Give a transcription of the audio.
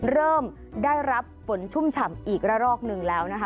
เริ่มได้รับฝนชุ่มฉ่ำอีกระรอกหนึ่งแล้วนะคะ